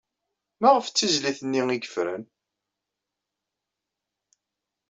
Maɣef d tizlit-nni ay yefren?